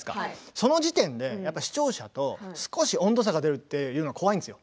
その時点で視聴者と少し温度差が出るのが怖いんです。